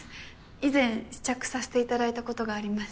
以前試着させていただいたことがあります